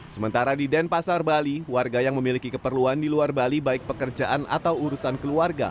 sementara di denpasar bali warga yang memiliki keperluan di luar bali baik pekerjaan atau urusan keluarga